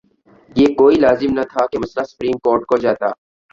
یہ کوئی لازم نہ تھا کہ مسئلہ سپریم کورٹ کو جاتا۔